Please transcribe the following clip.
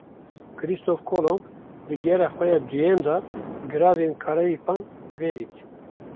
Kristof Kolomb, di gera xwe ya duyem de, Giravên Karayîpan vedît